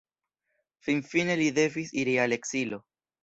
Finfine li devis iri al ekzilo.